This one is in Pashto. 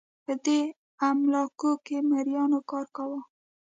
په دې املاکو کې مریانو کار کاوه.